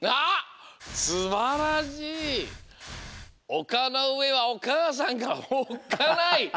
「おかのうえはおかあさんがおっかない」。